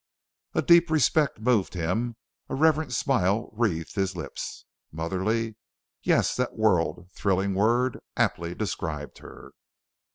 A deep respect moved him, a reverent smile wreathed his lips. Motherly? Yes, that world thrilling word aptly described her.